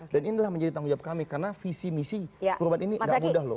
dan inilah menjadi tanggung jawab kami karena visi misi perubahan ini gak mudah loh